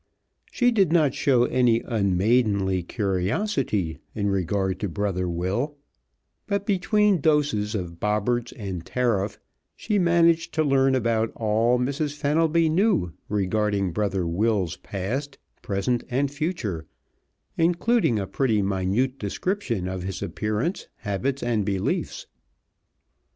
She did not show any unmaidenly curiosity in regard to Brother Will, but between doses of Bobberts and Tariff she managed to learn about all Mrs. Fenelby knew regarding Brother Will's past, present and future, including a pretty minute description of his appearance, habits and beliefs.